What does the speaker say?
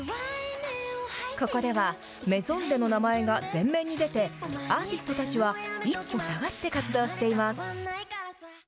ここでは、ＭＡＩＳＯＮｄｅｓの名前が前面に出て、アーティストたちは、一歩下がって活動しています。